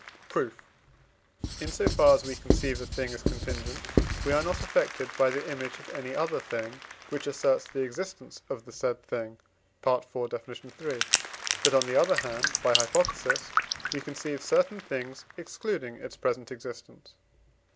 Proof. In so far as we conceive a thing as contingent, we are not affected by the image of any other thing, which asserts the existence of the said thing (IV. Def. iii.), but, on the other hand (by hypothesis), we conceive certain things excluding its present existence.